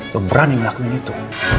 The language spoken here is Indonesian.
lo berani ngelakuin itu